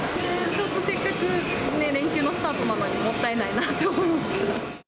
せっかく連休のスタートなのに、もったいないなと思います。